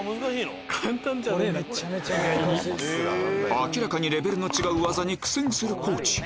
明らかにレベルの違う技に苦戦する地